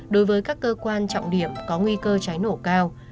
đối với các cơ quan trọng điểm có nguy cơ cháy nổ cao